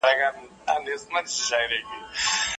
هيوادوال بايد د سياسي پرېکړو په وړاندي بې تفاوته پاته نه سي.